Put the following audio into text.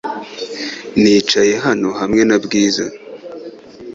Nicaye hano hamwe na Bwiza .